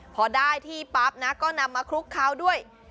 พอได้ที่ปั๊บนะก็นำมาคุกขาวก็ได้ด้วย